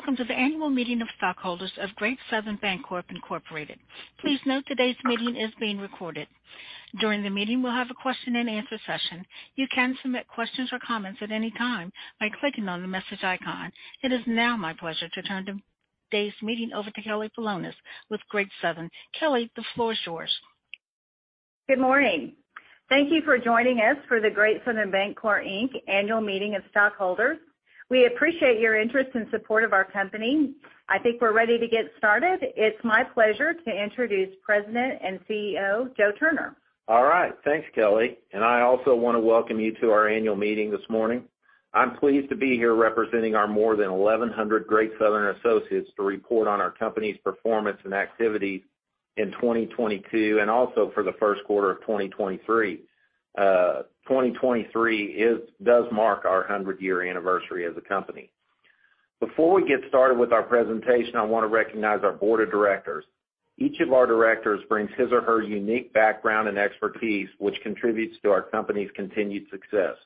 Hello, welcome to the annual meeting of stockholders of Great Southern Bancorp, Inc. Please note today's meeting is being recorded. During the meeting, we'll have a question and answer session. You can submit questions or comments at any time by clicking on the message icon. It is now my pleasure to turn today's meeting over to Kelly Polonus with Great Southern. Kelly, the floor is yours. Good morning. Thank you for joining us for the Great Southern Bancorp, Inc. annual meeting of stockholders. We appreciate your interest and support of our company. I think we're ready to get started. It's my pleasure to introduce President and CEO, Joe Turner. All right. Thanks, Kelly. I also want to welcome you to our annual meeting this morning. I'm pleased to be here representing our more than 1,100 Great Southern associates to report on our company's performance and activities in 2022, and also for the first quarter of 2023. 2023 does mark our hundred-year anniversary as a company. Before we get started with our presentation, I want to recognize our board of directors. Each of our directors brings his or her unique background and expertise, which contributes to our company's continued success.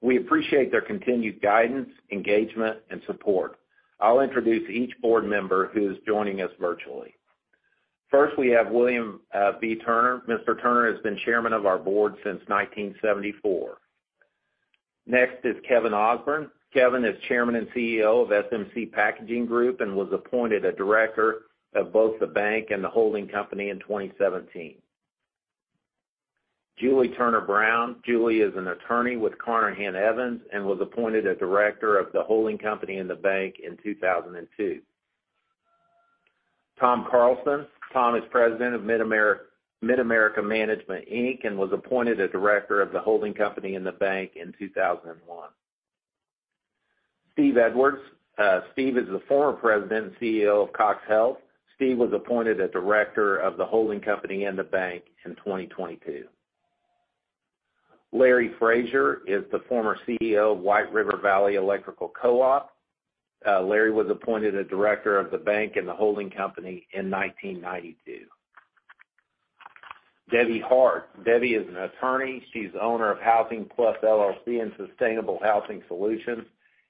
We appreciate their continued guidance, engagement, and support. I'll introduce each board member who's joining us virtually. First, we have William V. Turner. Mr. Turner has been Chairman of our board since 1974. Next is Kevin Ausburn. Kevin is Chairman and CEO of SMC Packaging Group and was appointed a director of both the bank and the holding company in 2017. Julie Turner Brown. Julie is an attorney with Carnahan Evans and was appointed a director of the holding company in the bank in 2002. Tom Carlson. Tom is President of Mid-America Management, Inc, and was appointed a director of the holding company in the bank in 2001. Steve Edwards. Steve is the former president and CEO of CoxHealth. Steve was appointed a director of the holding company and the bank in 2022. Larry Frazier is the former CEO of White River Valley Electric Co-op. Larry was appointed a director of the bank and the holding company in 1992. Debbie Hart. Debbie is an attorney. She's owner of Housing Plus LLC and Sustainable Housing Solutions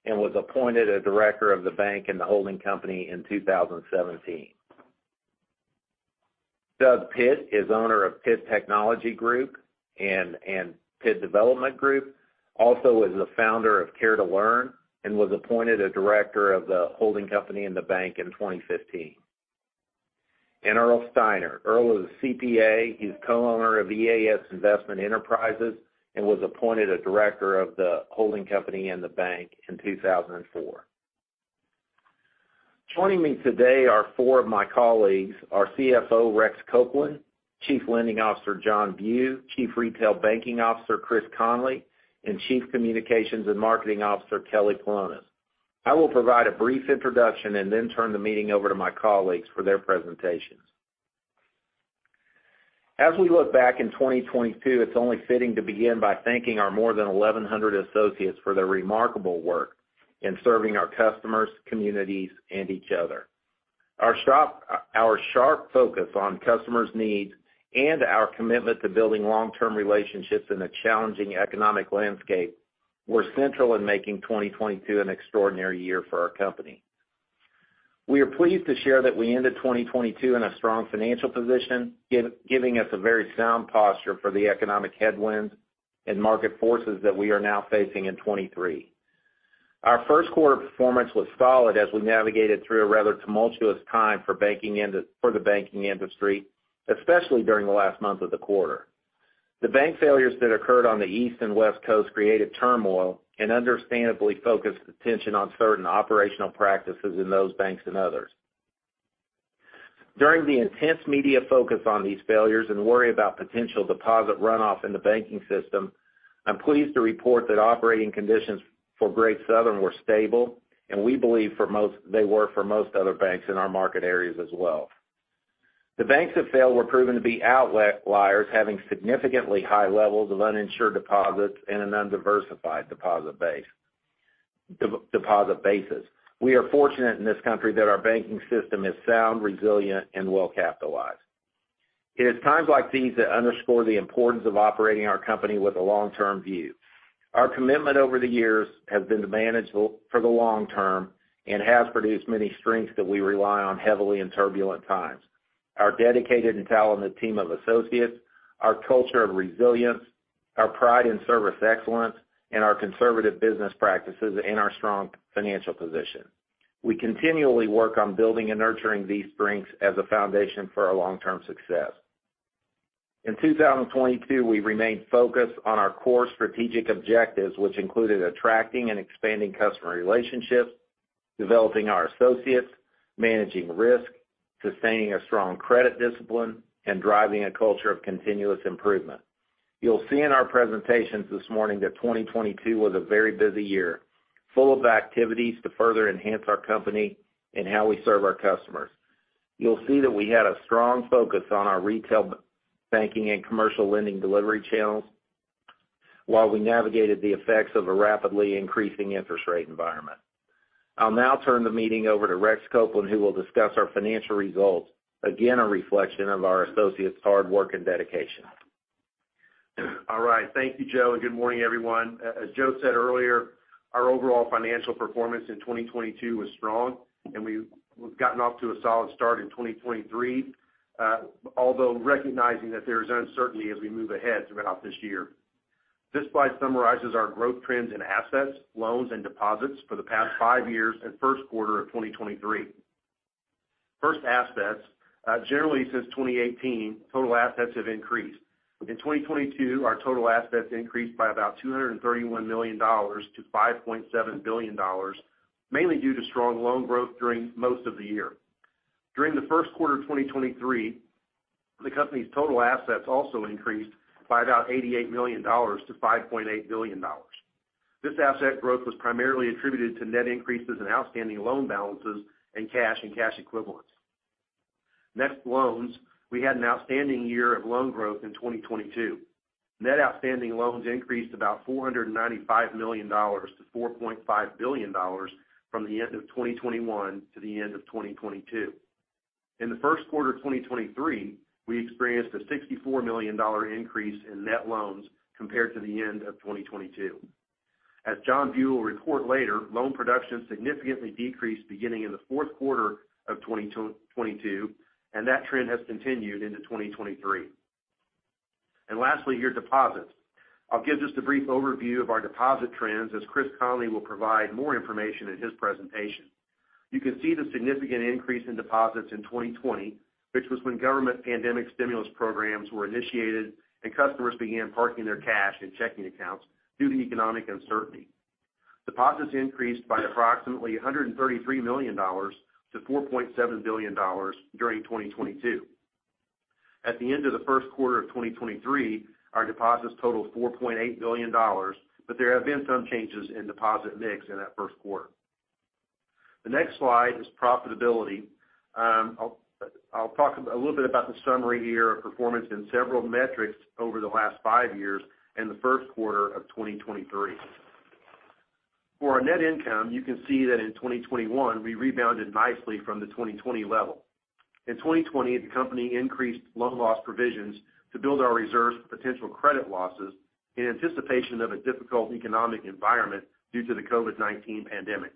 and was appointed a director of the bank and the holding company in 2017. Doug Pitt is owner of Pitt Technology Group and Pitt Development Group, also is the founder of Care to Learn and was appointed a director of the holding company and the bank in 2015. Earl Steinert. Earl is a CPA. He's co-owner of EAS Investment Enterprises and was appointed a director of the holding company and the bank in 2004. Joining me today are four of my colleagues, our CFO, Rex Copeland, Chief Lending Officer, John Bugh, Chief Retail Banking Officer, Kris Conley, and Chief Communications and Marketing Officer, Kelly Polonus. I will provide a brief introduction and then turn the meeting over to my colleagues for their presentations. As we look back in 2022, it's only fitting to begin by thanking our more than 1,100 associates for their remarkable work in serving our customers, communities, and each other. Our sharp focus on customers' needs and our commitment to building long-term relationships in a challenging economic landscape were central in making 2022 an extraordinary year for our company. We are pleased to share that we ended 2022 in a strong financial position, giving us a very sound posture for the economic headwinds and market forces that we are now facing in 2023. Our first quarter performance was solid as we navigated through a rather tumultuous time for the banking industry, especially during the last month of the quarter. The bank failures that occurred on the East and West Coasts created turmoil and understandably focused attention on certain operational practices in those banks and others. During the intense media focus on these failures and worry about potential deposit runoff in the banking system, I'm pleased to report that operating conditions for Great Southern were stable, and we believe they were for most other banks in our market areas as well. The banks that failed were proven to be outliers, having significantly high levels of uninsured deposits and an undiversified deposit basis. We are fortunate in this country that our banking system is sound, resilient, and well-capitalized. It is times like these that underscore the importance of operating our company with a long-term view. Our commitment over the years has been to manage for the long term and has produced many strengths that we rely on heavily in turbulent times. Our dedicated and talented team of associates, our culture of resilience, our pride in service excellence, and our conservative business practices, and our strong financial position. We continually work on building and nurturing these strengths as a foundation for our long-term success. In 2022, we remained focused on our core strategic objectives, which included attracting and expanding customer relationships, developing our associates, managing risk, sustaining a strong credit discipline, and driving a culture of continuous improvement. You'll see in our presentations this morning that 2022 was a very busy year, full of activities to further enhance our company and how we serve our customers. You'll see that we had a strong focus on our retail banking and commercial lending delivery channels while we navigated the effects of a rapidly increasing interest rate environment. I'll now turn the meeting over to Rex Copeland, who will discuss our financial results, again, a reflection of our associates' hard work and dedication. All right. Thank you, Joe. Good morning everyone. As Joe said earlier, our overall financial performance in 2022 was strong and we've gotten off to a solid start in 2023, although recognizing that there is uncertainty as we move ahead throughout this year. This slide summarizes our growth trends in assets, loans and deposits for the past 5 years and first quarter of 2023. First, assets. Generally since 2018, total assets have increased. In 2022, our total assets increased by about $231 million to $5.7 billion, mainly due to strong loan growth during most of the year. During the first quarter of 2023, the company's total assets also increased by about $88 million to $5.8 billion. This asset growth was primarily attributed to net increases in outstanding loan balances and cash and cash equivalents. Next, loans. We had an outstanding year of loan growth in 2022. Net outstanding loans increased about $495 million to $4.5 billion from the end of 2021 to the end of 2022. In the first quarter of 2023, we experienced a $64 million increase in net loans compared to the end of 2022. As John Bugh will report later, loan production significantly decreased beginning in the fourth quarter of 2022, that trend has continued into 2023. Lastly, your deposits. I'll give just a brief overview of our deposit trends as Kris Conley will provide more information in his presentation. You can see the significant increase in deposits in 2020, which was when government pandemic stimulus programs were initiated and customers began parking their cash in checking accounts due to economic uncertainty. Deposits increased by approximately $133 million to $4.7 billion during 2022. At the end of the first quarter of 2023, our deposits totaled $4.8 billion, there have been some changes in deposit mix in that first quarter. The next slide is profitability. I'll talk a little bit about the summary here of performance in several metrics over the last five years in the first quarter of 2023. For our net income, you can see that in 2021, we rebounded nicely from the 2020 level. In 2020, the company increased loan loss provisions to build our reserves for potential credit losses in anticipation of a difficult economic environment due to the COVID-19 pandemic.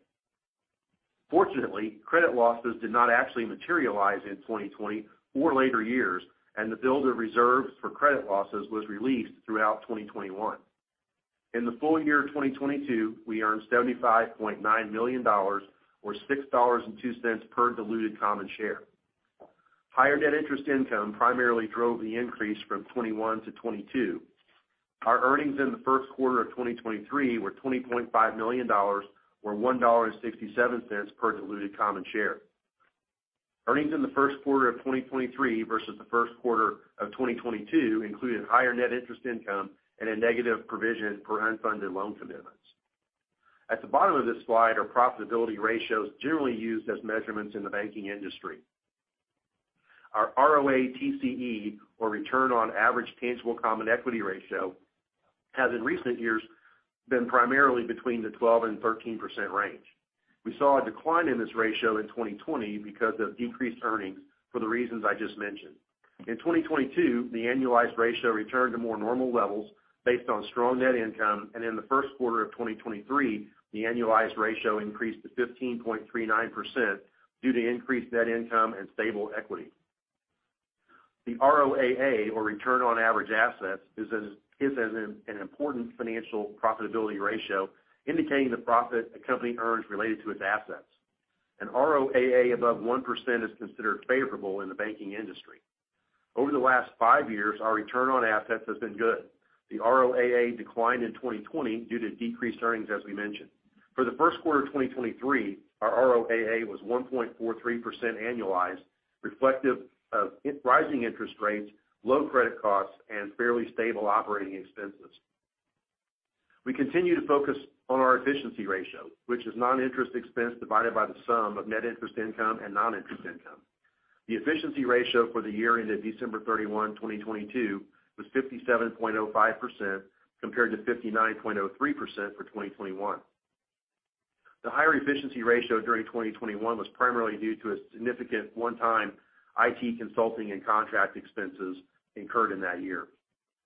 Fortunately, credit losses did not actually materialize in 2020 or later years, and the build of reserves for credit losses was released throughout 2021. In the full year of 2022, we earned $75.9 million or $6.02 per diluted common share. Higher net interest income primarily drove the increase from 2021 to 2022. Our earnings in the first quarter of 2023 were $20.5 million or $1.67 per diluted common share. Earnings in the first quarter of 2023 versus the first quarter of 2022 included higher net interest income and a negative provision for unfunded loan commitments. At the bottom of this slide are profitability ratios generally used as measurements in the banking industry. Our ROATCE, or return on average tangible common equity ratio, has in recent years been primarily between the 12% and 13% range. We saw a decline in this ratio in 2020 because of decreased earnings for the reasons I just mentioned. In 2022, the annualized ratio returned to more normal levels based on strong net income, and in the first quarter of 2023, the annualized ratio increased to 15.39% due to increased net income and stable equity. The ROAA, or return on average assets, is an important financial profitability ratio indicating the profit a company earns related to its assets. An ROAA above 1% is considered favorable in the banking industry. Over the last five years, our return on assets has been good. The ROAA declined in 2020 due to decreased earnings, as we mentioned. For the first quarter of 2023, our ROAA was 1.43% annualized, reflective of rising interest rates, low credit costs and fairly stable operating expenses. We continue to focus on our efficiency ratio, which is non-interest expense divided by the sum of net interest income and non-interest income. The efficiency ratio for the year ended December 31, 2022 was 57.05% compared to 59.03% for 2021. The higher efficiency ratio during 2021 was primarily due to a significant one-time IT consulting and contract expenses incurred in that year.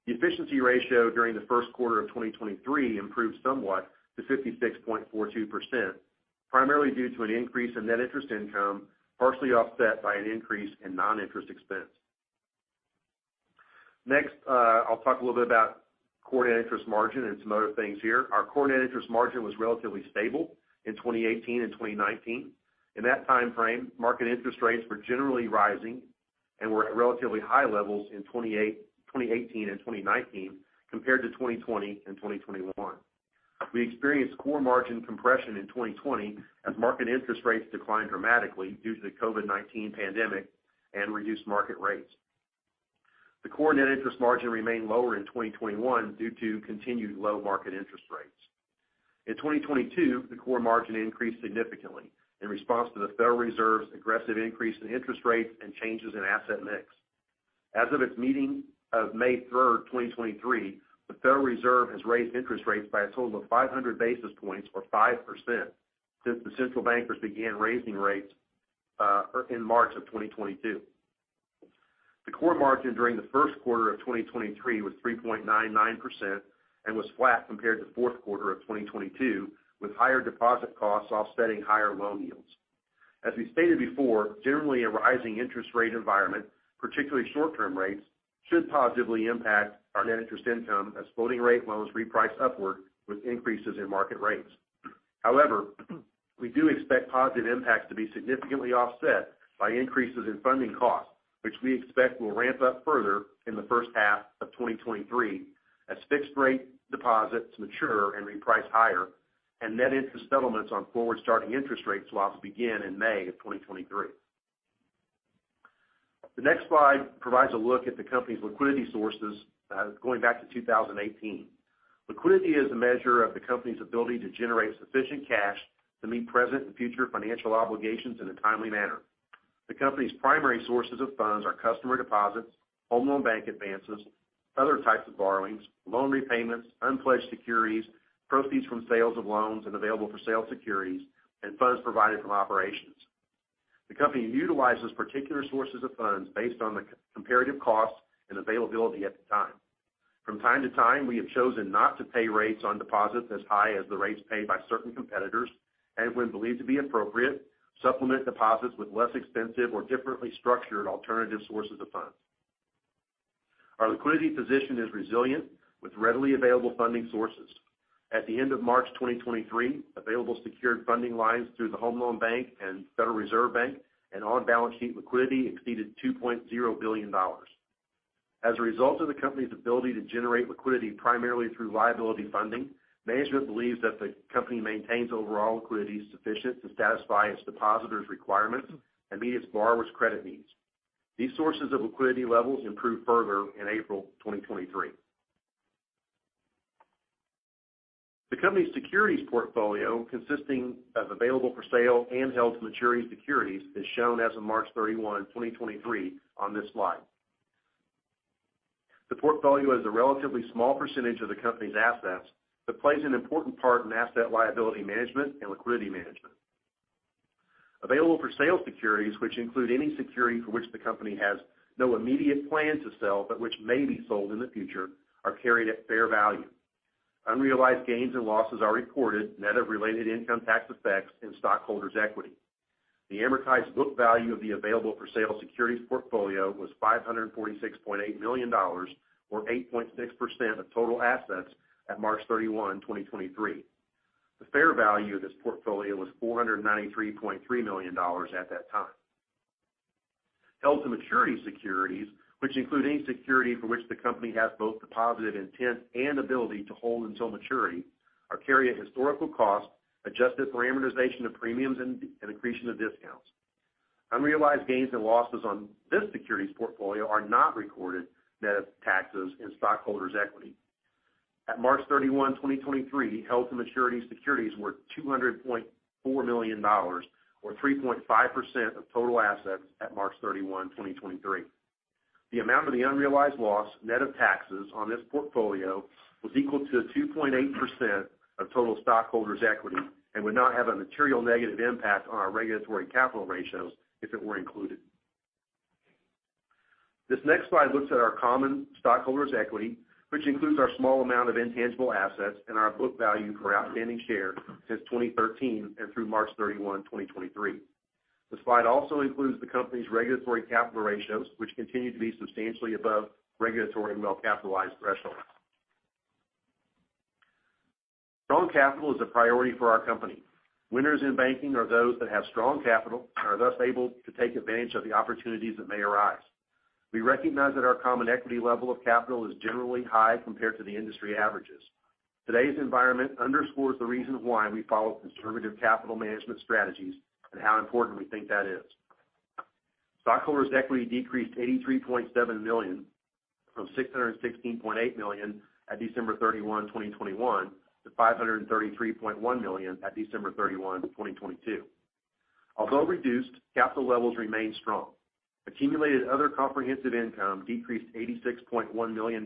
The efficiency ratio during the first quarter of 2023 improved somewhat to 56.42%, primarily due to an increase in net interest income, partially offset by an increase in non-interest expense. Next, I'll talk a little bit about core net interest margin and some other things here. Our core net interest margin was relatively stable in 2018 and 2019. In that timeframe, market interest rates were generally rising and were at relatively high levels in 2018 and 2019 compared to 2020 and 2021. We experienced core margin compression in 2020 as market interest rates declined dramatically due to the COVID-19 pandemic and reduced market rates. The core net interest margin remained lower in 2021 due to continued low market interest rates. In 2022, the core margin increased significantly in response to the Federal Reserve's aggressive increase in interest rates and changes in asset mix. As of its meeting of May 3rd, 2023, the Federal Reserve has raised interest rates by a total of 500 basis points or 5% since the central bankers began raising rates in March of 2022. The core margin during the first quarter of 2023 was 3.99% and was flat compared to fourth quarter of 2022, with higher deposit costs offsetting higher loan yields. As we stated before, generally, a rising interest rate environment, particularly short-term rates, should positively impact our net interest income as floating rate loans reprice upward with increases in market rates. We do expect positive impacts to be significantly offset by increases in funding costs, which we expect will ramp up further in the first half of 2023 as fixed rate deposits mature and reprice higher and net interest settlements on forward-starting interest rate swaps begin in May of 2023. The next slide provides a look at the company's liquidity sources, going back to 2018. Liquidity is a measure of the company's ability to generate sufficient cash to meet present and future financial obligations in a timely manner. The company's primary sources of funds are customer deposits, Federal Home Loan Bank advances, other types of borrowings, loan repayments, unpledged securities, proceeds from sales of loans and available-for-sale securities, and funds provided from operations. The company utilizes particular sources of funds based on the comparative costs and availability at the time. From time to time, we have chosen not to pay rates on deposits as high as the rates paid by certain competitors, and when believed to be appropriate, supplement deposits with less expensive or differently structured alternative sources of funds. Our liquidity position is resilient, with readily available funding sources. At the end of March 2023, available secured funding lines through the Federal Home Loan Bank and Federal Reserve Bank and on-balance sheet liquidity exceeded $2.0 billion. As a result of the company's ability to generate liquidity primarily through liability funding, management believes that the company maintains overall liquidity sufficient to satisfy its depositors' requirements and meet its borrowers' credit needs. These sources of liquidity levels improved further in April 2023. The company's securities portfolio, consisting of available for sale and held-to-maturity securities, is shown as of March 31, 2023 on this slide. The portfolio is a relatively small percentage of the company's assets, but plays an important part in asset liability management and liquidity management. Available-for-sale securities, which include any security for which the company has no immediate plan to sell but which may be sold in the future, are carried at fair value. Unrealized gains and losses are reported net of related income tax effects in stockholders' equity. The amortized book value of the available-for-sale securities portfolio was $546.8 million, or 8.6% of total assets at March 31, 2023. The fair value of this portfolio was $493.3 million at that time. Held-to-maturity securities, which include any security for which the company has both the positive intent and ability to hold until maturity, are carried at historical cost, adjusted for amortization of premiums and accretion of discounts. Unrealized gains and losses on this securities portfolio are not recorded net of taxes in stockholders' equity. At March 31, 2023, held-to-maturity securities were $200.4 million, or 3.5% of total assets at March 31, 2023. The amount of the unrealized loss, net of taxes, on this portfolio was equal to 2.8% of total stockholders' equity and would not have a material negative impact on our regulatory capital ratios if it were included. This next slide looks at our common stockholders' equity, which includes our small amount of intangible assets and our book value per outstanding share since 2013 and through March 31, 2023. The slide also includes the company's regulatory capital ratios, which continue to be substantially above regulatory and well-capitalized thresholds. Strong capital is a priority for our company. Winners in banking are those that have strong capital and are thus able to take advantage of the opportunities that may arise. We recognize that our common equity level of capital is generally high compared to the industry averages. Today's environment underscores the reason why we follow conservative capital management strategies and how important we think that is. Stockholders' equity decreased $83.7 million from $616.8 million at December 31, 2021, to $533.1 million at December 31, 2022. Although reduced, capital levels remain strong. Accumulated other comprehensive income decreased $86.1 million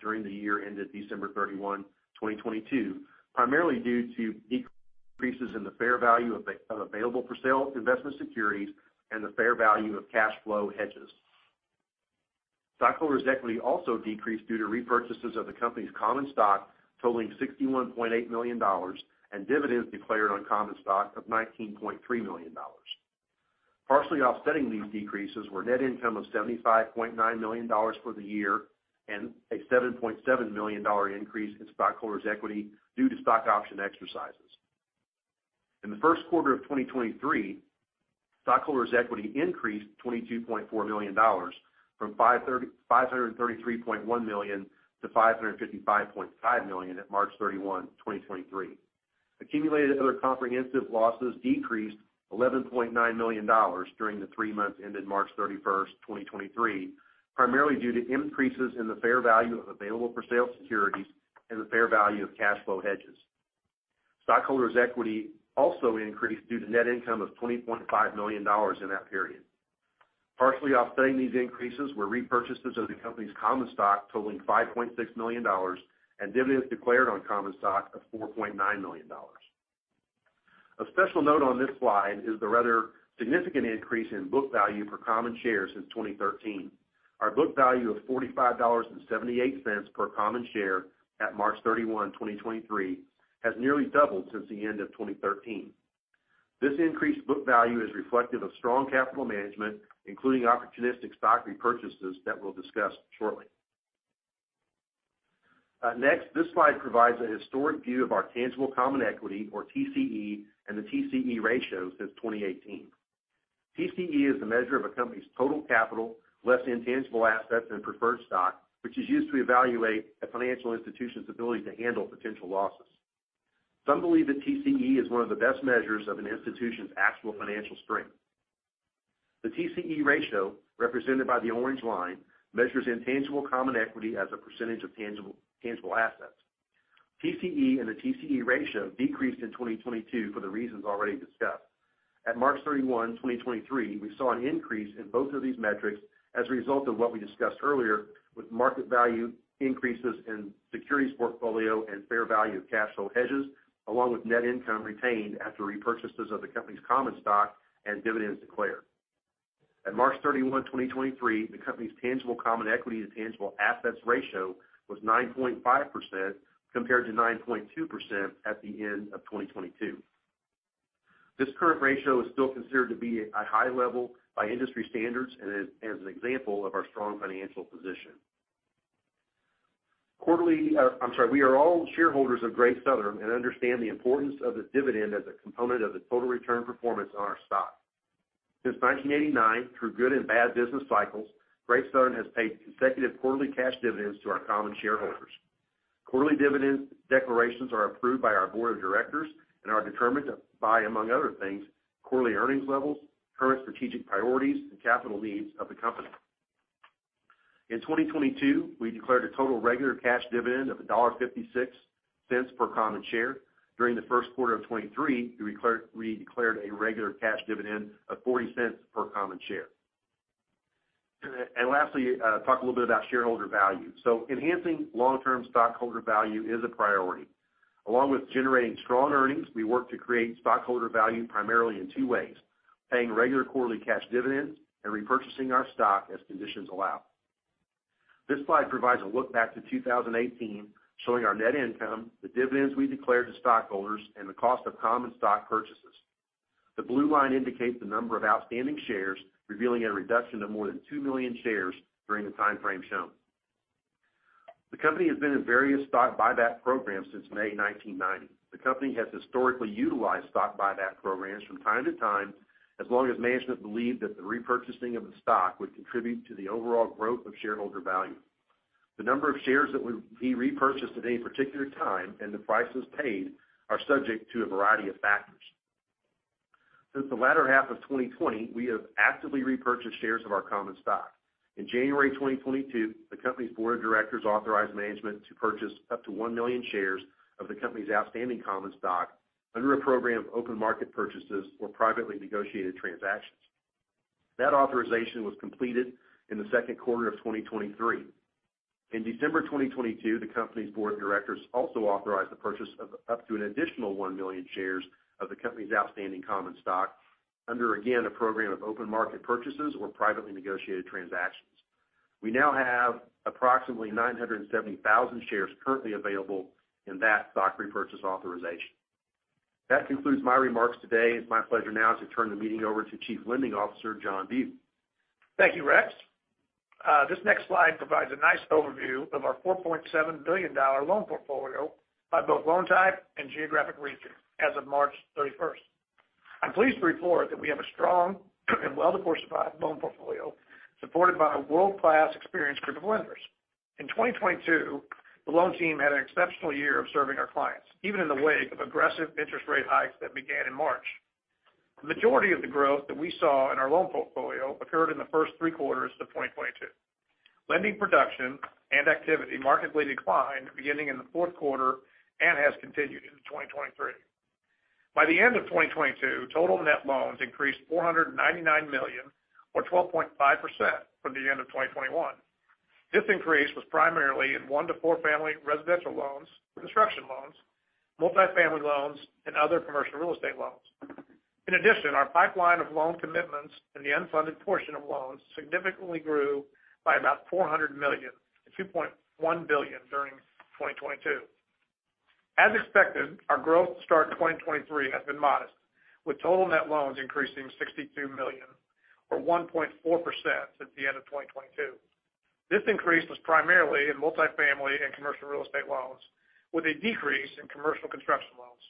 during the year ended December 31, 2022, primarily due to decreases in the fair value of available for sale investment securities and the fair value of cash flow hedges. Stockholders' equity also decreased due to repurchases of the company's common stock totaling $61.8 million and dividends declared on common stock of $19.3 million. Partially offsetting these decreases were net income of $75.9 million for the year and a $7.7 million increase in stockholders' equity due to stock option exercises. In the first quarter of 2023, stockholders' equity increased $22.4 million from $533.1 million to $555.5 million at March 31, 2023. Accumulated other comprehensive losses decreased $11.9 million during the three months ended March 31st, 2023, primarily due to increases in the fair value of available for sale securities and the fair value of cash flow hedges. Stockholders' equity also increased due to net income of $20.5 million in that period. Partially offsetting these increases were repurchases of the company's common stock totaling $5.6 million and dividends declared on common stock of $4.9 million. A special note on this slide is the rather significant increase in book value per common share since 2013. Our book value of $45.78 per common share at March 31, 2023, has nearly doubled since the end of 2013. This increased book value is reflective of strong capital management, including opportunistic stock repurchases that we'll discuss shortly. Next, this slide provides a historic view of our tangible common equity, or TCE, and the TCE ratio since 2018. TCE is the measure of a company's total capital, less intangible assets and preferred stock, which is used to evaluate a financial institution's ability to handle potential losses. Some believe that TCE is one of the best measures of an institution's actual financial strength. The TCE ratio, represented by the orange line, measures intangible common equity as a percentage of tangible assets. TCE and the TCE ratio decreased in 2022 for the reasons already discussed. At March 31, 2023, we saw an increase in both of these metrics as a result of what we discussed earlier with market value increases in securities portfolio and fair value of cash flow hedges, along with net income retained after repurchases of the company's common stock and dividends declared. At March 31, 2023, the company's tangible common equity to tangible assets ratio was 9.5% compared to 9.2% at the end of 2022. This current ratio is still considered to be a high level by industry standards and as an example of our strong financial position. Quarterly, I'm sorry. We are all shareholders of Great Southern and understand the importance of the dividend as a component of the total return performance on our stock. Since 1989, through good and bad business cycles, Great Southern has paid consecutive quarterly cash dividends to our common shareholders. Quarterly dividend declarations are approved by our board of directors and are determined by, among other things, quarterly earnings levels, current strategic priorities, and capital needs of the company. In 2022, we declared a total regular cash dividend of $1.56 per common share. During the first quarter of 2023, we declared a regular cash dividend of $0.40 per common share. Lastly, talk a little bit about shareholder value. Enhancing long-term stockholder value is a priority. Along with generating strong earnings, we work to create stockholder value primarily in two ways: paying regular quarterly cash dividends and repurchasing our stock as conditions allow. This slide provides a look back to 2018, showing our net income, the dividends we declared to stockholders, and the cost of common stock purchases. The blue line indicates the number of outstanding shares, revealing a reduction of more than 2 million shares during the time frame shown. The company has been in various stock buyback programs since May 1990. The company has historically utilized stock buyback programs from time to time, as long as management believed that the repurchasing of the stock would contribute to the overall growth of shareholder value. The number of shares that would be repurchased at any particular time and the prices paid are subject to a variety of factors. Since the latter half of 2020, we have actively repurchased shares of our common stock. In January 2022, the company's board of directors authorized management to purchase up to 1 million shares of the company's outstanding common stock under a program of open market purchases or privately negotiated transactions. That authorization was completed in the second quarter of 2023. In December 2022, the company's board of directors also authorized the purchase of up to an additional 1 million shares of the company's outstanding common stock under, again, a program of open market purchases or privately negotiated transactions. We now have approximately 970,000 shares currently available in that stock repurchase authorization. That concludes my remarks today. It's my pleasure now to turn the meeting over to Chief Lending Officer, John Bugh. Thank you, Rex. This next slide provides a nice overview of our $4.7 billion loan portfolio by both loan type and geographic region as of March 31st. I'm pleased to report that we have a strong and well-diversified loan portfolio supported by a world-class experienced group of lenders. In 2022, the loan team had an exceptional year of serving our clients, even in the wake of aggressive interest rate hikes that began in March. The majority of the growth that we saw in our loan portfolio occurred in the first three quarters of 2022. Lending production and activity markedly declined beginning in the fourth quarter and has continued into 2023. By the end of 2022, total net loans increased $499 million or 12.5% from the end of 2021. This increase was primarily in one two four family residential loans for construction loans, multifamily loans, and other commercial real estate loans. Our pipeline of loan commitments and the unfunded portion of loans significantly grew by about $400 million to $2.1 billion during 2022. As expected, our growth to start 2023 has been modest, with total net loans increasing $62 million or 1.4% since the end of 2022. This increase was primarily in multifamily and commercial real estate loans, with a decrease in commercial construction loans.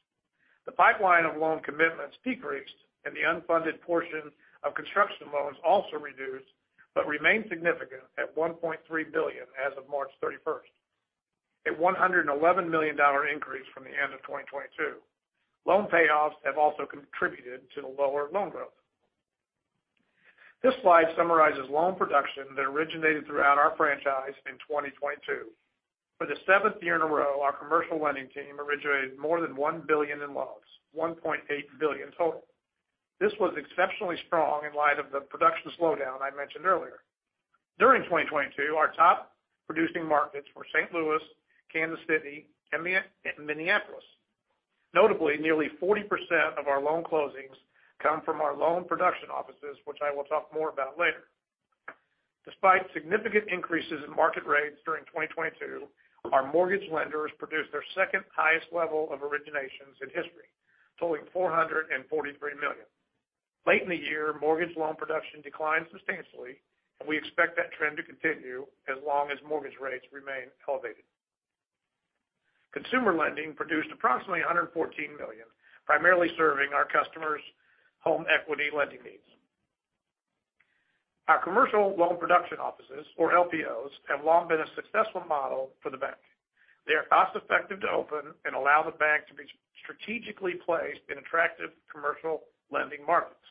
The pipeline of loan commitments decreased, the unfunded portion of construction loans also reduced but remained significant at $1.3 billion as of March 31st, a $111 million increase from the end of 2022. Loan payoffs have also contributed to the lower loan growth. This slide summarizes loan production that originated throughout our franchise in 2022. For the seventh year in a row, our commercial lending team originated more than $1 billion in loans, $1.8 billion total. This was exceptionally strong in light of the production slowdown I mentioned earlier. During 2022, our top-producing markets were St. Louis, Kansas City, and Minneapolis. Notably, nearly 40% of our loan closings come from our loan production offices, which I will talk more about later. Despite significant increases in market rates during 2022, our mortgage lenders produced their second-highest level of originations in history, totaling $443 million. Late in the year, mortgage loan production declined substantially. We expect that trend to continue as long as mortgage rates remain elevated. Consumer lending produced approximately $114 million, primarily serving our customers' home equity lending needs. Our commercial loan production offices, or LPOs, have long been a successful model for the bank. They are cost-effective to open and allow the bank to be strategically placed in attractive commercial lending markets,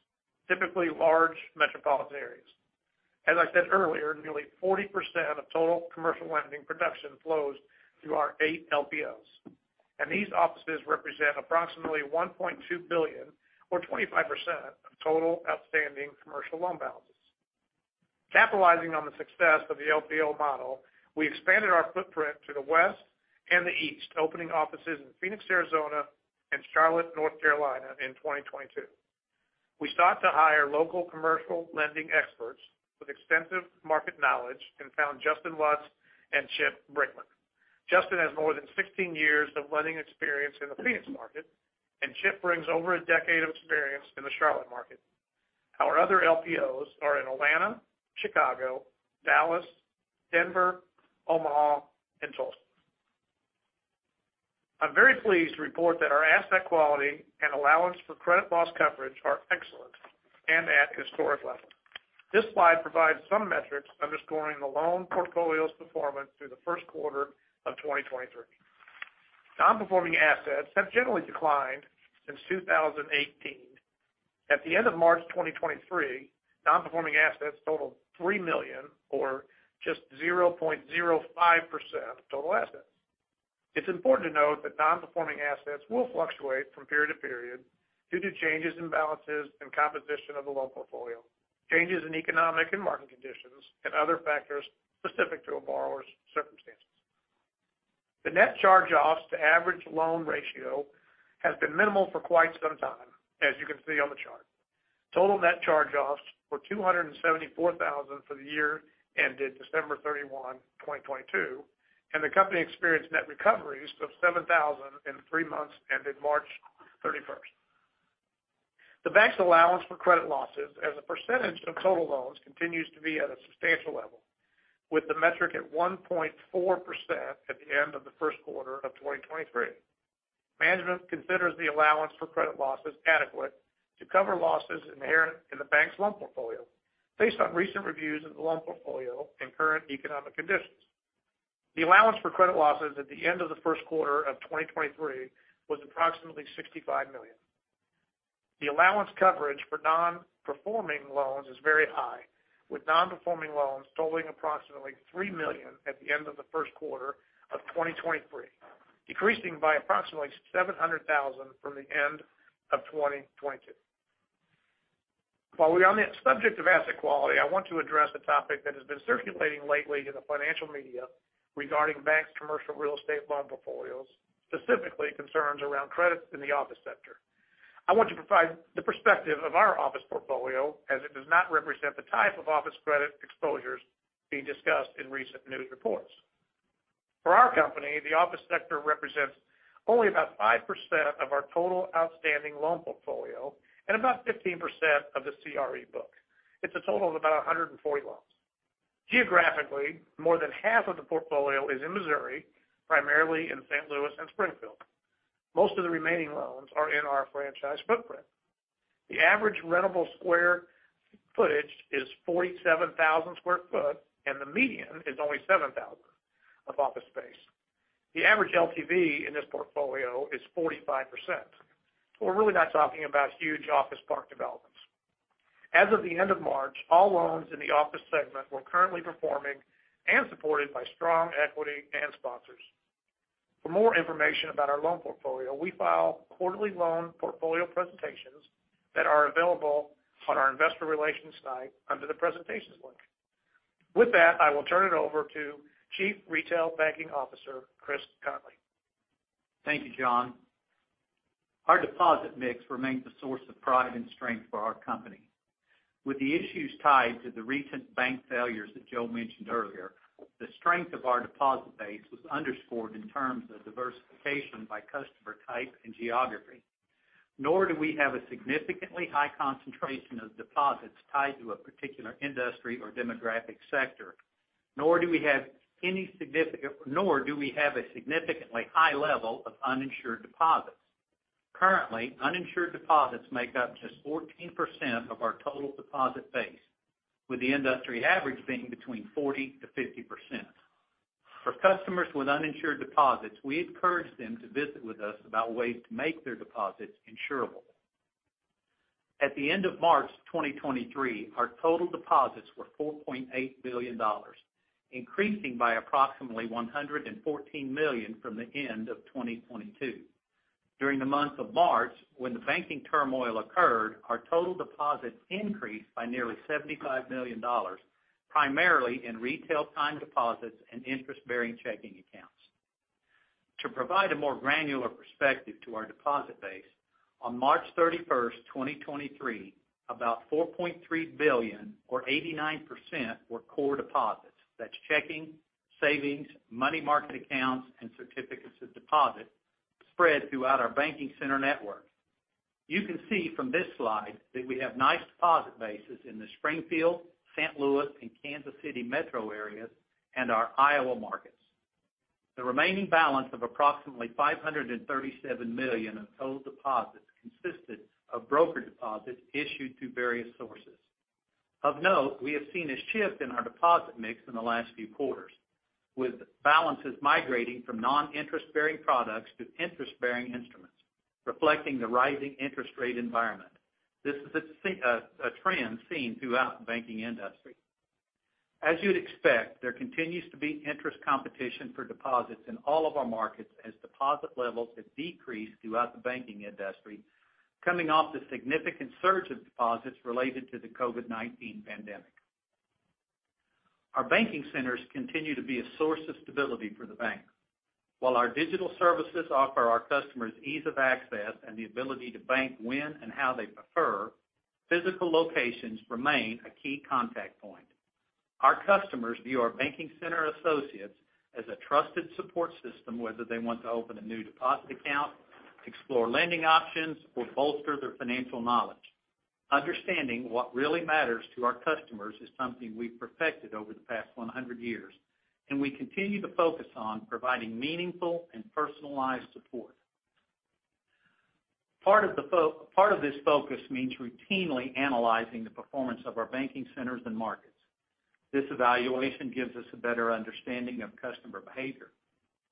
typically large metropolitan areas. As I said earlier, nearly 40% of total commercial lending production flows through our 8 LPOs, and these offices represent approximately $1.2 billion or 25% of total outstanding commercial loan balances. Capitalizing on the success of the LPO model, we expanded our footprint to the West and the East, opening offices in Phoenix, Arizona, and Charlotte, North Carolina, in 2022. We sought to hire local commercial lending experts with extensive market knowledge and found Justin Watts and Chip Brickman. Justin has more than 16 years of lending experience in the Phoenix market, and Chip brings over a decade of experience in the Charlotte market. Our other LPOs are in Atlanta, Chicago, Dallas, Denver, Omaha, and Tulsa. I'm very pleased to report that our asset quality and allowance for credit loss coverage are excellent and at historic levels. This slide provides some metrics underscoring the loan portfolio's performance through the first quarter of 2023. Non-performing assets have generally declined since 2018. At the end of March 2023, non-performing assets totaled $3 million or just 0.05% of total assets. It's important to note that non-performing assets will fluctuate from period to period due to changes in balances and composition of the loan portfolio, changes in economic and market conditions, and other factors specific to a borrower's circumstances. The net charge-offs to average loan ratio has been minimal for quite some time, as you can see on the chart. Total net charge-offs were $274,000 for the year ended December 31, 2022. The company experienced net recoveries of $7,000 in the three months ended March 31. The bank's allowance for credit losses as a percentage of total loans continues to be at a substantial level, with the metric at 1.4% at the end of the first quarter of 2023. Management considers the allowance for credit losses adequate to cover losses inherent in the bank's loan portfolio based on recent reviews of the loan portfolio and current economic conditions. The allowance for credit losses at the end of the first quarter of 2023 was approximately $65 million. The allowance coverage for non-performing loans is very high, with non-performing loans totaling approximately $3 million at the end of the first quarter of 2023, decreasing by approximately $700,000 from the end of 2022. While we're on the subject of asset quality, I want to address a topic that has been circulating lately in the financial media regarding banks' commercial real estate loan portfolios, specifically concerns around credits in the office sector. I want to provide the perspective of our office portfolio as it does not represent the type of office credit exposures being discussed in recent news reports. For our company, the office sector represents only about 5% of our total outstanding loan portfolio and about 15% of the CRE book. It's a total of about 140 loans. Geographically, more than half of the portfolio is in Missouri, primarily in St. Louis and Springfield. Most of the remaining loans are in our franchise footprint. The average rentable square footage is 47 sq ft, and the median is only 7,000 of office space. The average LTV in this portfolio is 45%. We're really not talking about huge office park developments. As of the end of March, all loans in the office segment were currently performing and supported by strong equity and sponsors. For more information about our loan portfolio, we file quarterly loan portfolio presentations that are available on our investor relations site under the presentations link. I will turn it over to Chief Retail Banking Officer, Kris Conley. Thank you, John. Our deposit mix remains a source of pride and strength for our company. With the issues tied to the recent bank failures that Joe mentioned earlier, the strength of our deposit base was underscored in terms of diversification by customer type and geography. Nor do we have a significantly high concentration of deposits tied to a particular industry or demographic sector, nor do we have a significantly high level of uninsured deposits. Currently, uninsured deposits make up just 14% of our total deposit base, with the industry average being between 40%-50%. For customers with uninsured deposits, we encourage them to visit with us about ways to make their deposits insurable. At the end of March 2023, our total deposits were $4.8 billion, increasing by approximately $114 million from the end of 2022. During the month of March, when the banking turmoil occurred, our total deposits increased by nearly $75 million, primarily in retail time deposits and interest-bearing checking accounts. To provide a more granular perspective to our deposit base, on March 31st, 2023, about $4.3 billion or 89% were core deposits. That's checking, savings, money market accounts, and certificates of deposit spread throughout our banking center network. You can see from this slide that we have nice deposit bases in the Springfield, St. Louis, and Kansas City metro areas and our Iowa markets. The remaining balance of approximately $537 million of total deposits consisted of broker deposits issued to various sources. Of note, we have seen a shift in our deposit mix in the last few quarters, with balances migrating from non-interest-bearing products to interest-bearing instruments, reflecting the rising interest rate environment. This is a trend seen throughout the banking industry. As you'd expect, there continues to be interest competition for deposits in all of our markets as deposit levels have decreased throughout the banking industry, coming off the significant surge of deposits related to the COVID-19 pandemic. Our banking centers continue to be a source of stability for the bank. While our digital services offer our customers ease of access and the ability to bank when and how they prefer, physical locations remain a key contact point. Our customers view our banking center associates as a trusted support system, whether they want to open a new deposit account, explore lending options, or bolster their financial knowledge. Understanding what really matters to our customers is something we've perfected over the past 100 years. We continue to focus on providing meaningful and personalized support. Part of this focus means routinely analyzing the performance of our banking centers and markets. This evaluation gives us a better understanding of customer behavior,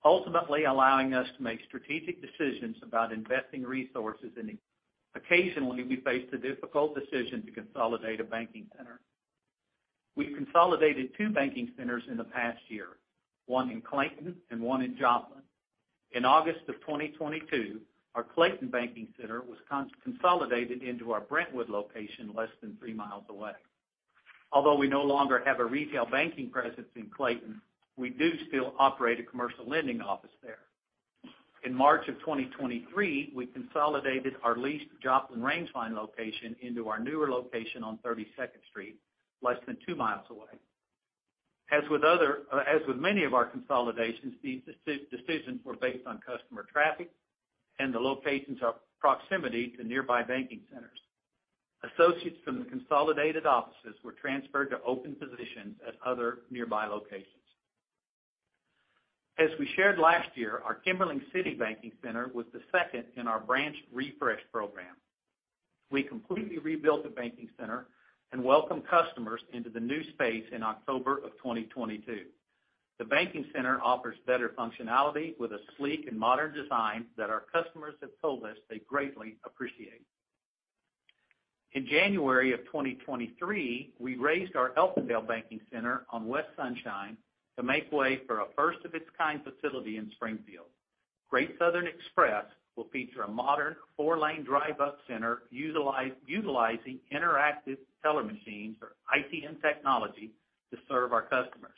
ultimately allowing us to make strategic decisions about investing resources. Occasionally we face the difficult decision to consolidate a banking center. We consolidated two banking centers in the past year, one in Clayton and one in Joplin. In August of 2022, our Clayton banking center was consolidated into our Brentwood location less than 3 miles away. Although we no longer have a retail banking presence in Clayton, we do still operate a commercial lending office there. In March of 2023, we consolidated our leased Joplin Range Line location into our newer location on 32nd Street, less than 2 mi away. As with many of our consolidations, these decisions were based on customer traffic and the locations or proximity to nearby banking centers. Associates from the consolidated offices were transferred to open positions at other nearby locations. As we shared last year, our Kimberling City banking center was the second in our branch refresh program. We completely rebuilt the banking center and welcomed customers into the new space in October of 2022. The banking center offers better functionality with a sleek and modern design that our customers have told us they greatly appreciate. In January of 2023, we raised our Elfindale banking center on West Sunshine to make way for a first of its kind facility in Springfield. Great Southern Express will feature a modern four-lane drive-up center utilizing interactive teller machines or ITM technology to serve our customers.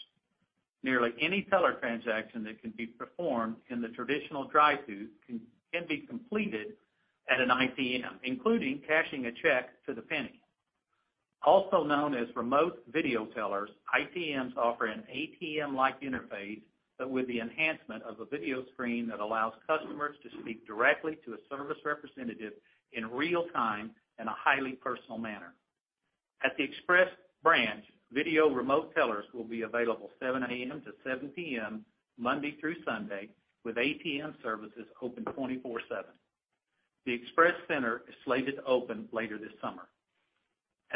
Nearly any teller transaction that can be performed in the traditional drive-through can be completed at an ITM, including cashing a check to the penny. Also known as remote video tellers, ITMs offer an ATM-like interface, with the enhancement of a video screen that allows customers to speak directly to a service representative in real time in a highly personal manner. At the Express branch, video remote tellers will be available 7:00 A.M. to 7:00 P.M., Monday through Sunday, with ATM services open 24/7. The Express center is slated to open later this summer.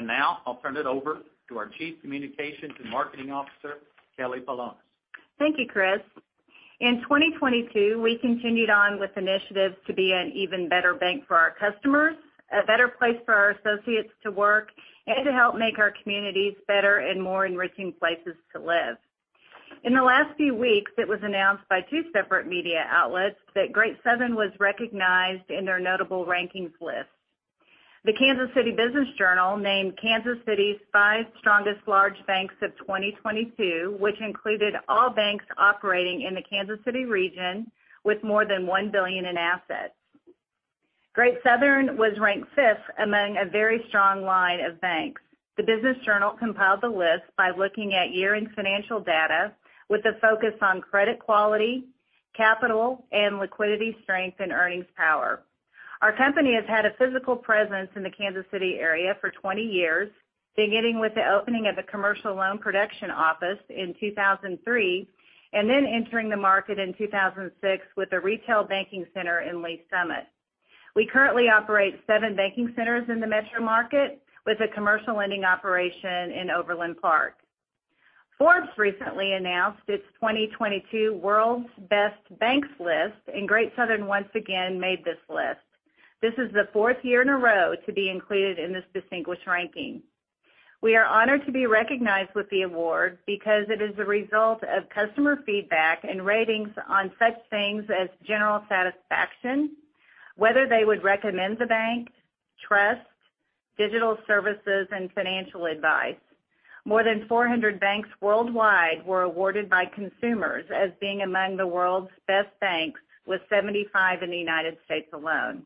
Now I'll turn it over to our Chief Communications and Marketing Officer, Kelly Polonus. Thank you, Kris. In 2022, we continued on with initiatives to be an even better bank for our customers, a better place for our associates to work, to help make our communities better and more enriching places to live. In the last few weeks, it was announced by two separate media outlets that Great Southern was recognized in their notable rankings list. The Kansas City Business Journal named Kansas City's five strongest large banks of 2022, which included all banks operating in the Kansas City region with more than $1 billion in assets. Great Southern was ranked fifth among a very strong line of banks. The Business Journal compiled the list by looking at year-end financial data with a focus on credit quality, capital, and liquidity strength and earnings power. Our company has had a physical presence in the Kansas City area for 20 years, beginning with the opening of a commercial loan production office in 2003, and then entering the market in 2006 with a retail banking center in Lee's Summit. We currently operate seven banking centers in the metro market with a commercial lending operation in Overland Park. Forbes recently announced its 2022 World's Best Banks list, and Great Southern once again made this list. This is the fourth year in a row to be included in this distinguished ranking. We are honored to be recognized with the award because it is the result of customer feedback and ratings on such things as general satisfaction, whether they would recommend the bank, trust, digital services and financial advice. More than 400 banks worldwide were awarded by consumers as being among the World's Best Banks, with 75 in the United States alone.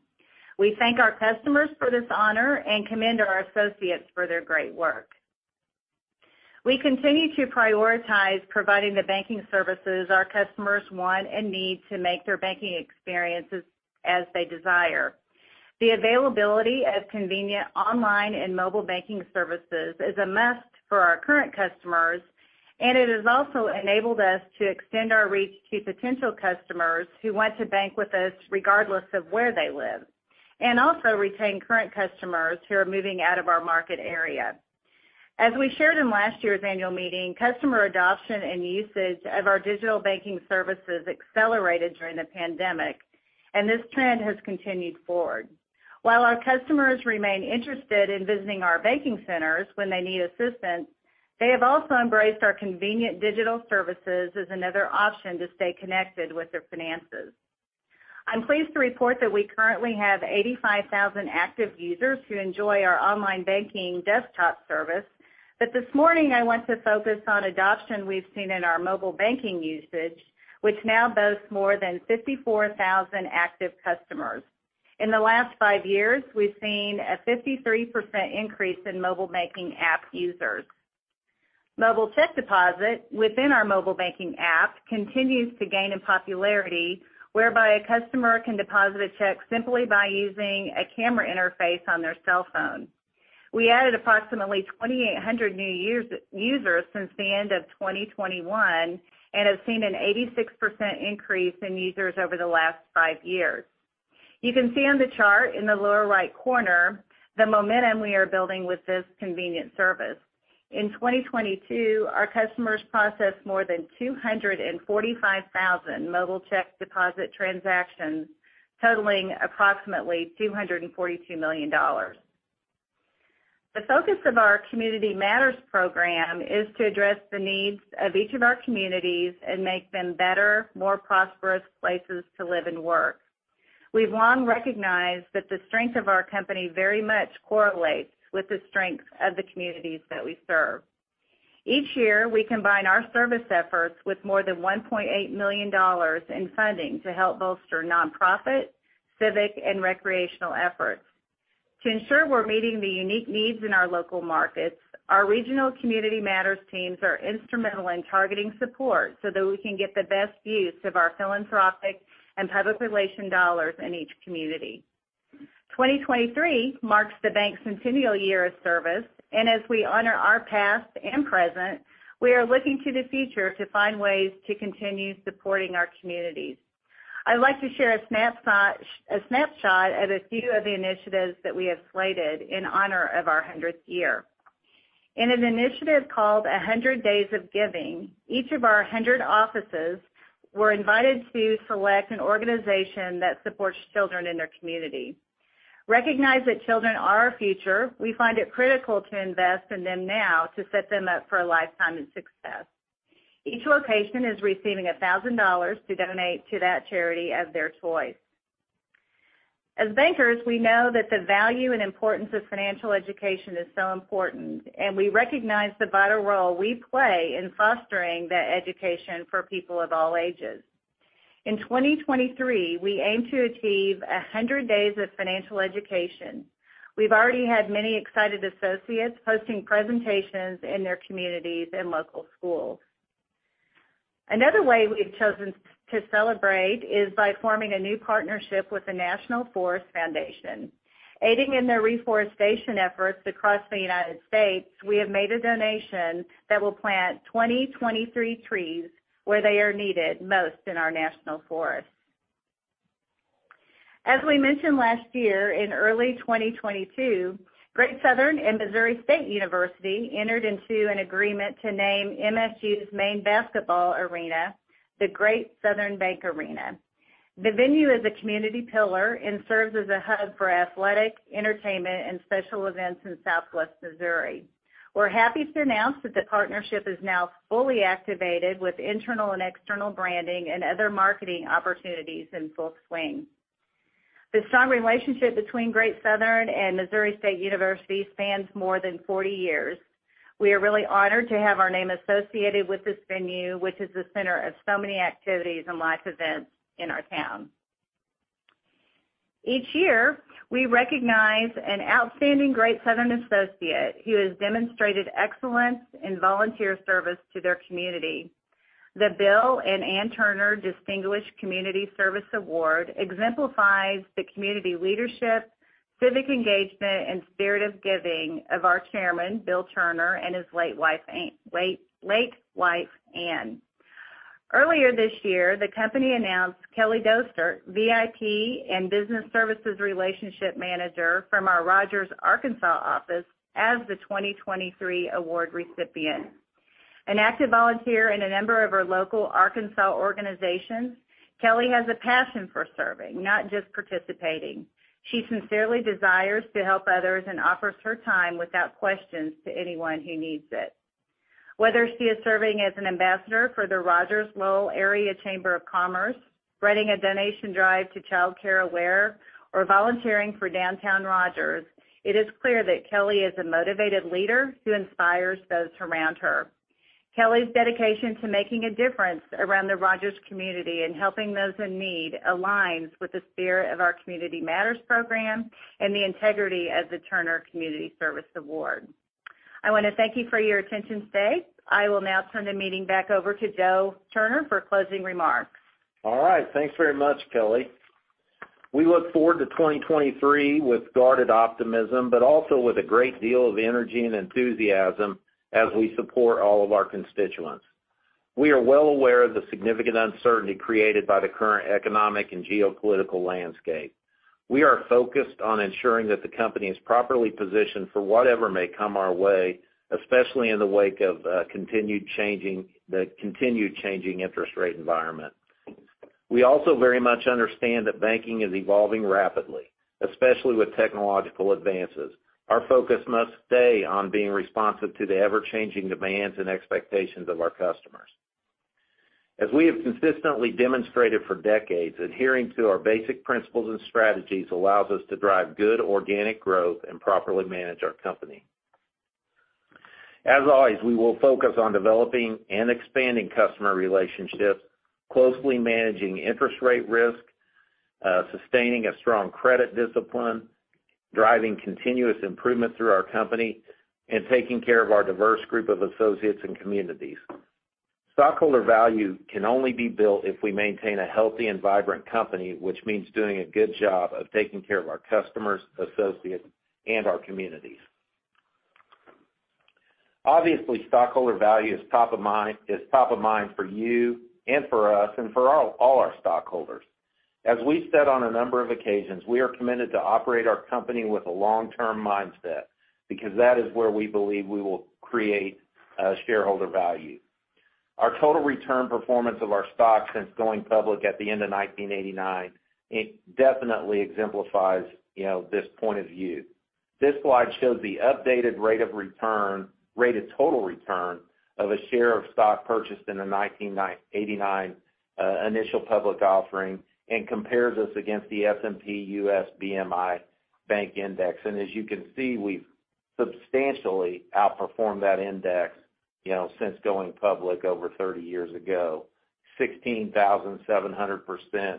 We thank our customers for this honor and commend our associates for their great work. We continue to prioritize providing the banking services our customers want and need to make their banking experiences as they desire. The availability of convenient online and mobile banking services is a must for our current customers, and it has also enabled us to extend our reach to potential customers who want to bank with us regardless of where they live, and also retain current customers who are moving out of our market area. As we shared in last year's annual meeting, customer adoption and usage of our digital banking services accelerated during the pandemic, and this trend has continued forward. While our customers remain interested in visiting our banking centers when they need assistance, they have also embraced our convenient digital services as another option to stay connected with their finances. I'm pleased to report that we currently have 85,000 active users who enjoy our online banking desktop service. This morning I want to focus on adoption we've seen in our mobile banking usage, which now boasts more than 54,000 active customers. In the last five years, we've seen a 53% increase in mobile banking app users. Mobile check deposit within our mobile banking app continues to gain in popularity, whereby a customer can deposit a check simply by using a camera interface on their cell phone. We added approximately 2,800 new users since the end of 2021, and have seen an 86% increase in users over the last 5 years. You can see on the chart in the lower right corner the momentum we are building with this convenient service. In 2022, our customers processed more than 245,000 mobile check deposit transactions, totaling approximately $242 million. The focus of our Community Matters program is to address the needs of each of our communities and make them better, more prosperous places to live and work. We've long recognized that the strength of our company very much correlates with the strength of the communities that we serve. Each year, we combine our service efforts with more than $1.8 million in funding to help bolster nonprofit, civic and recreational efforts. To ensure we're meeting the unique needs in our local markets, our regional Community Matters teams are instrumental in targeting support so that we can get the best use of our philanthropic and public relation dollars in each community. 2023 marks the bank's centennial year of service. As we honor our past and present, we are looking to the future to find ways to continue supporting our communities. I'd like to share a snapshot at a few of the initiatives that we have slated in honor of our hundredth year. In an initiative called 100 Days of Giving, each of our 100 offices were invited to select an organization that supports children in their community. Recognize that children are our future, we find it critical to invest in them now to set them up for a lifetime of success. Each location is receiving $1,000 to donate to that charity of their choice. As bankers, we know that the value and importance of financial education is so important. We recognize the vital role we play in fostering that education for people of all ages. In 2023, we aim to achieve 100 days of financial education. We've already had many excited associates hosting presentations in their communities and local schools. Another way we've chosen to celebrate is by forming a new partnership with the National Forest Foundation. Aiding in their reforestation efforts across the United States, we have made a donation that will plant 2,023 trees where they are needed most in our national forests. As we mentioned last year, in early 2022, Great Southern and Missouri State University entered into an agreement to name MSU's main basketball arena the Great Southern Bank Arena. The venue is a community pillar and serves as a hub for athletics, entertainment and special events in Southwest Missouri. We're happy to announce that the partnership is now fully activated with internal and external branding and other marketing opportunities in full swing. The strong relationship between Great Southern and Missouri State University spans more than 40 years. We are really honored to have our name associated with this venue, which is the center of so many activities and life events in our town. Each year, we recognize an outstanding Great Southern associate who has demonstrated excellence in volunteer service to their community. The Bill and Ann Turner Distinguished Community Service Award exemplifies the community leadership, civic engagement, and spirit of giving of our Chairman, Bill Turner, and his late wife, Ann. Earlier this year, the company announced Kelly Doster, VIP and Business Services Relationship Manager from our Rogers, Arkansas office as the 2023 award recipient. An active volunteer and a member of our local Arkansas organizations, Kelly has a passion for serving, not just participating. She sincerely desires to help others and offers her time without questions to anyone who needs it. Whether she is serving as an ambassador for the Rogers Lowell Area Chamber of Commerce, spreading a donation drive to Child Care Aware, or volunteering for Downtown Rogers, it is clear that Kelly is a motivated leader who inspires those around her. Kelly's dedication to making a difference around the Rogers community and helping those in need aligns with the spirit of our Community Matters program and the integrity of the Turner Community Service Award. I want to thank you for your attention today. I will now turn the meeting back over to Joe Turner for closing remarks. All right. Thanks very much, Kelly. We look forward to 2023 with guarded optimism, but also with a great deal of energy and enthusiasm as we support all of our constituents. We are well aware of the significant uncertainty created by the current economic and geopolitical landscape. We are focused on ensuring that the company is properly positioned for whatever may come our way, especially in the wake of the continued changing interest rate environment. We also very much understand that banking is evolving rapidly, especially with technological advances. Our focus must stay on being responsive to the ever-changing demands and expectations of our customers. As we have consistently demonstrated for decades, adhering to our basic principles and strategies allows us to drive good organic growth and properly manage our company. As always, we will focus on developing and expanding customer relationships, closely managing interest rate risk, sustaining a strong credit discipline, driving continuous improvement through our company, and taking care of our diverse group of associates and communities. Stockholder value can only be built if we maintain a healthy and vibrant company, which means doing a good job of taking care of our customers, associates, and our communities. Obviously, stockholder value is top of mind for you and for us and for all our stockholders. As we've said on a number of occasions, we are committed to operate our company with a long-term mindset because that is where we believe we will create shareholder value. Our total return performance of our stock since going public at the end of 1989, it definitely exemplifies, you know, this point of view. This slide shows the updated rate of total return of a share of stock purchased in the 1989 initial public offering, compares us against the S&P U.S. BMI Bank Index. As you can see, we've substantially outperformed that index, you know, since going public over 30 years ago, 16,700%-1,172%.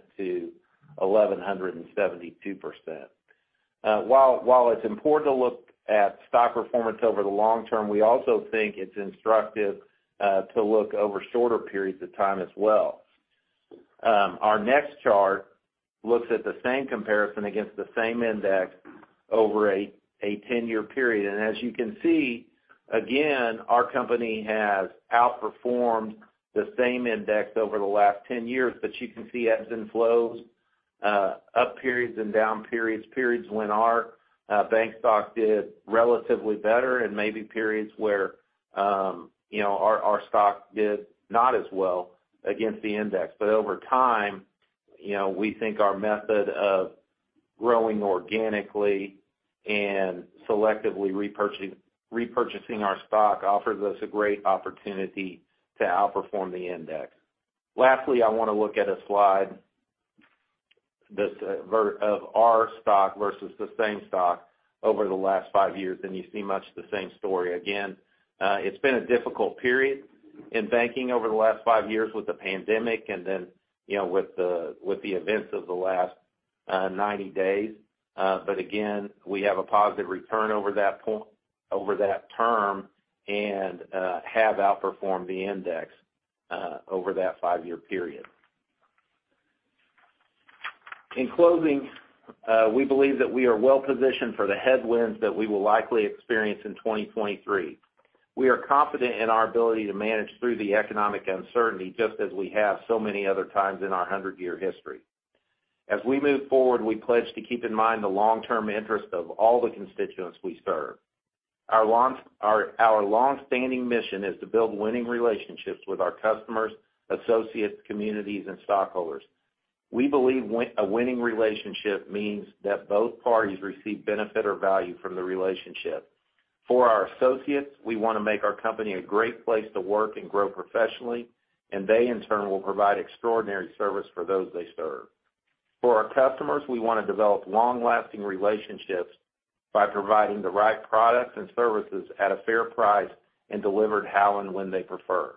While it's important to look at stock performance over the long term, we also think it's instructive to look over shorter periods of time as well. Our next chart looks at the same comparison against the same index over a 10-year period. As you can see, again, our company has outperformed the same index over the last 10 years. You can see ebbs and flows, up periods and down periods when our bank stock did relatively better, and maybe periods where, you know, our stock did not as well against the index. Over time, you know, we think our method of growing organically and selectively repurchasing our stock offers us a great opportunity to outperform the index. Lastly, I want to look at a slide that's of our stock versus the same stock over the last 5 years, and you see much the same story again. It's been a difficult period in banking over the last 5 years with the pandemic and then, you know, with the events of the last 90 days. Again, we have a positive return over that term and have outperformed the index over that five-year period. In closing, we believe that we are well positioned for the headwinds that we will likely experience in 2023. We are confident in our ability to manage through the economic uncertainty, just as we have so many other times in our 100-year history. As we move forward, we pledge to keep in mind the long-term interest of all the constituents we serve. Our, our longstanding mission is to build winning relationships with our customers, associates, communities, and stockholders. We believe a winning relationship means that both parties receive benefit or value from the relationship. For our associates, we wanna make our company a great place to work and grow professionally, and they in turn will provide extraordinary service for those they serve. For our customers, we wanna develop long-lasting relationships by providing the right products and services at a fair price and delivered how and when they prefer.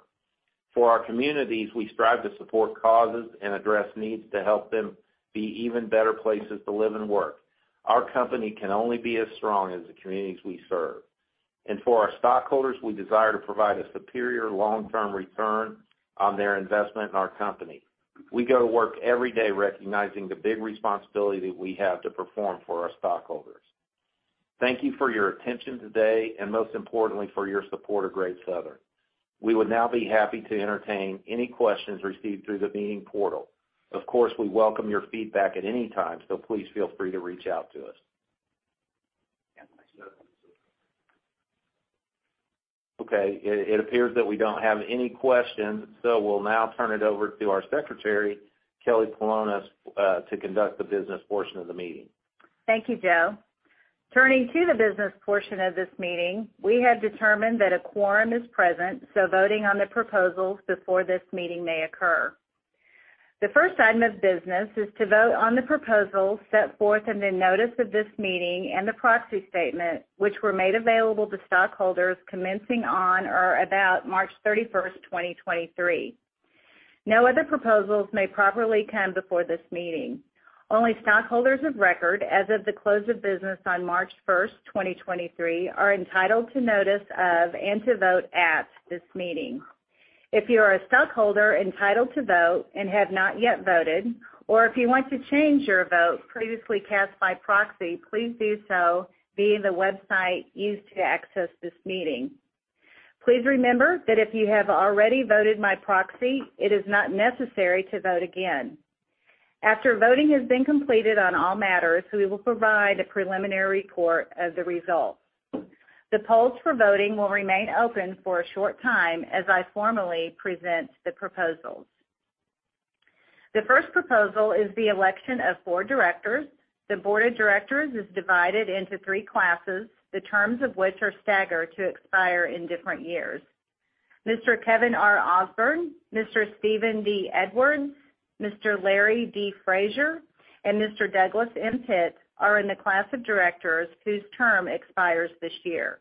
For our communities, we strive to support causes and address needs to help them be even better places to live and work. Our company can only be as strong as the communities we serve. For our stockholders, we desire to provide a superior long-term return on their investment in our company. We go to work every day recognizing the big responsibility we have to perform for our stockholders. Thank you for your attention today and most importantly, for your support of Great Southern. We would now be happy to entertain any questions received through the meeting portal. Of course, we welcome your feedback at any time, so please feel free to reach out to us. Okay. It appears that we don't have any questions. We'll now turn it over to our secretary, Kelly Polonus, to conduct the business portion of the meeting. Thank you, Joe. Turning to the business portion of this meeting, we have determined that a quorum is present, so voting on the proposals before this meeting may occur. The first item of business is to vote on the proposals set forth in the notice of this meeting and the proxy statement, which were made available to stockholders commencing on or about March 31st, 2023. No other proposals may properly come before this meeting. Only stockholders of record as of the close of business on March 1st, 2023, are entitled to notice of and to vote at this meeting. If you are a stockholder entitled to vote and have not yet voted, or if you want to change your vote previously cast by proxy, please do so via the website used to access this meeting. Please remember that if you have already voted my proxy, it is not necessary to vote again. After voting has been completed on all matters, we will provide a preliminary report of the results. The polls for voting will remain open for a short time as I formally present the proposals. The first proposal is the election of board directors. The board of directors is divided into three classes, the terms of which are staggered to expire in different years. Mr. Kevin R. Ausburn, Mr. Steven D. Edwards, Mr. Larry D. Frazier, and Mr. Douglas M. Pitt are in the class of directors whose term expires this year.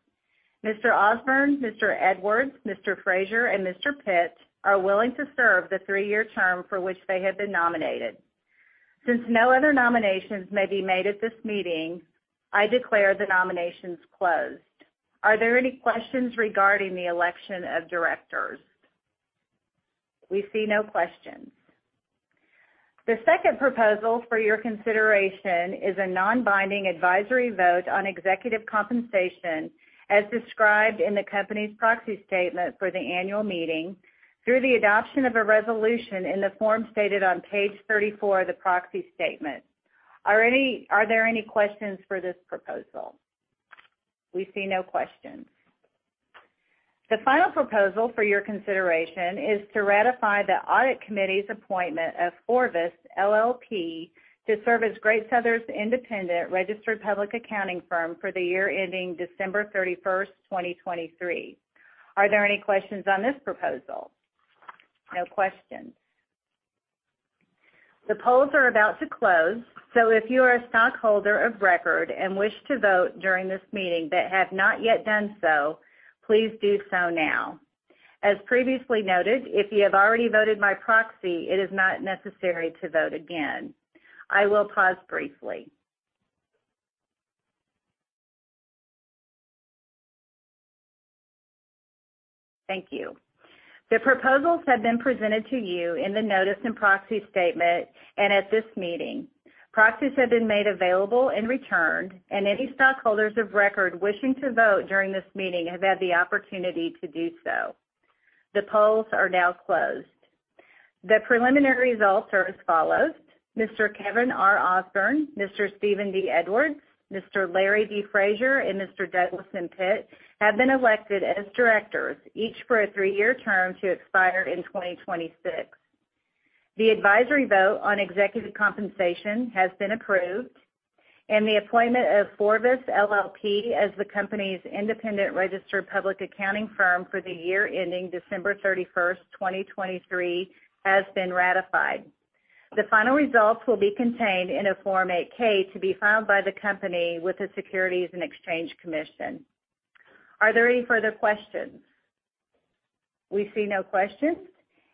Mr. Ausburn, Mr. Edwards, Mr. Frazier, and Mr. Pitt are willing to serve the three-year term for which they have been nominated. Since no other nominations may be made at this meeting, I declare the nominations closed. Are there any questions regarding the election of directors? We see no questions. The second proposal for your consideration is a non-binding advisory vote on executive compensation as described in the company's proxy statement for the annual meeting through the adoption of a resolution in the form stated on page 34 of the proxy statement. Are there any questions for this proposal? We see no questions. The final proposal for your consideration is to ratify the Audit Committee's appointment of FORVIS, LLP to serve as Great Southern's independent registered public accounting firm for the year ending December 31st, 2023. Are there any questions on this proposal? No questions. The polls are about to close, so if you are a stockholder of record and wish to vote during this meeting but have not yet done so, please do so now. As previously noted, if you have already voted my proxy, it is not necessary to vote again. I will pause briefly. Thank you. The proposals have been presented to you in the notice and proxy statement, and at this meeting. Proxies have been made available and returned, and any stockholders of record wishing to vote during this meeting have had the opportunity to do so. The polls are now closed. The preliminary results are as follows: Mr. Kevin R. Ausburn, Mr. Steven D. Edwards, Mr. Larry D. Frazier, and Mr. Douglas M. Pitt have been elected as directors, each for a 3-year term to expire in 2026. The advisory vote on executive compensation has been approved, and the appointment of FORVIS, LLP as the company's independent registered public accounting firm for the year ending December 31st, 2023, has been ratified. The final results will be contained in a Form 8-K to be filed by the company with the Securities and Exchange Commission. Are there any further questions? We see no questions.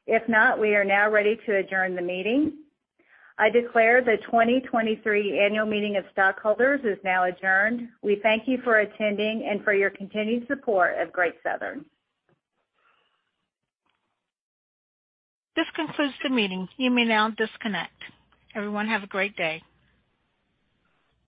If not, we are now ready to adjourn the meeting. I declare the 2023 annual meeting of stockholders is now adjourned. We thank you for attending and for your continued support of Great Southern. This concludes the meeting. You may now disconnect. Everyone have a great day.